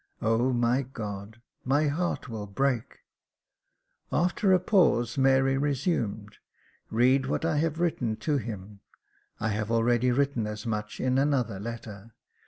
O my God ! my heart will break !" After a pause, Mary resumed. " Read what I have written to him — I have already written as much in another letter.